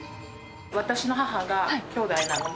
私の母がきょうだいなので。